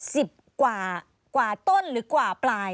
สิบกว่ากว่าต้นหรือกว่าปลาย